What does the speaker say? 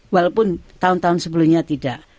walaupun tahun tahun sebelumnya tidak